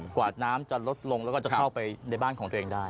กว่าน้ำจะลดลงแล้วก็จะเข้าไปในบ้านของตัวเองได้